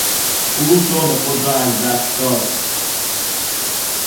او شغل خود را از دست داد.